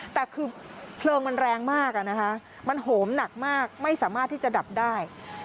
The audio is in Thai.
แต่คือเพลิงมันแรงมากอะนะคะมันโหมหนักมากไม่สามารถที่จะดับได้